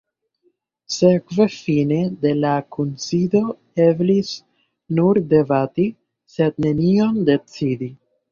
Sekve fine de la kunsido eblis nur debati, sed nenion decidi.